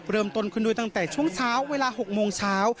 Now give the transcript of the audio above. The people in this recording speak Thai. เริ่มต้นขึ้นด้วยตั้งแต่ช่วงเช้าเวลา๖โมงเช้า